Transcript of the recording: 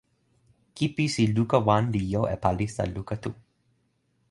kipisi luka wan li jo e palisa luka tu.